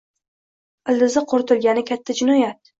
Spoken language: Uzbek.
ildizi quritilgani – katta jinoyat.